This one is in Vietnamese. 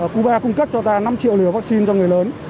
cuba cung cấp cho ta năm triệu liều vaccine cho người lớn